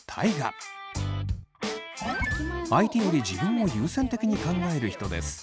相手より自分を優先的に考える人です。